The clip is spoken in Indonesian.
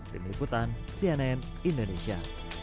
pemiliputan cnn indonesia